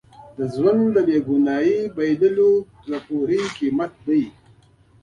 د ژوند د بې ګناهۍ بایلل د پوهې قیمت دی.